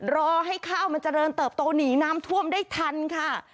รอให้ข้าวมันเจริญเติบโตหนีน้ำท่วมได้ทันค่ะ